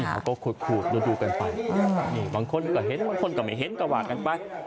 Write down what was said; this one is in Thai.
แล้วก็ขูดดูกันไปบางคนก็เห็นบางคนก็ไม่เห็นก็ว่ากันไป